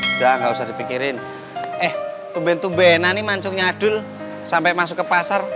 udah nggak usah dipikirin eh tumben tumbena nih mancungnya adul sampai masuk ke pasar